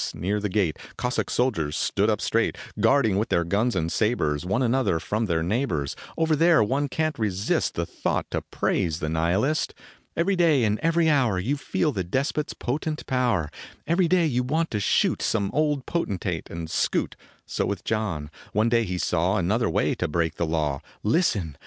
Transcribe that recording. Near the gate Cossack soldiers stood up straight, Guarding with their guns and sabers One another from their neighbors ; Over there one can t resist The thought to praise the nihilist. Every day and every hour You feel the despot s potent power ; Every day you want to shoot Some old potentate and scoot, So with John. One day he saw Another way to break the law, Listen